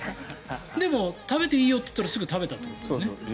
でも、食べていいよって言ったらすぐ食べたということだよね。